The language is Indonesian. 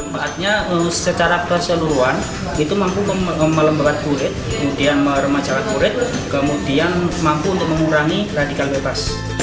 manfaatnya secara keseluruhan itu mampu melembabat kulit kemudian melembabat kulit kemudian mampu untuk mengurangi radikal bebas